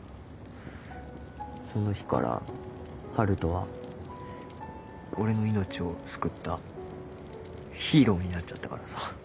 その日から春斗は俺の命を救ったヒーローになっちゃったからさ。